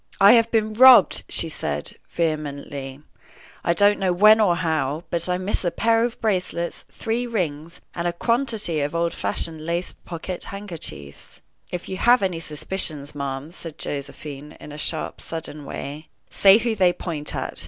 "I have been robbed!" she said, vehemently, "I don't know when or how; but I miss a pair of bracelets, three rings, and a quantity of old fashioned lace pocket handkerchiefs." "If you have any suspicions, ma'am," said Josephine, in a sharp, sudden way, "say who they point at.